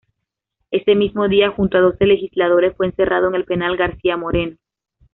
Ese mismo día, junto a doce legisladores fue encerrado en el penal García Moreno.